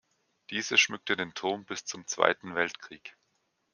Diese schmückte den Turm bis zum Zweiten Weltkrieg.